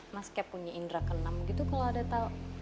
mas keb punya indera kenam gitu kalau ada tau